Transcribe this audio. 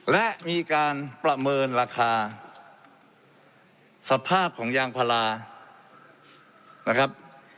และมีการประเมินราคาสภาพของยางพลานะครับ